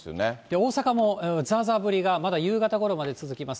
大阪もざーざー降りが、まだ夕方ごろまで続きます。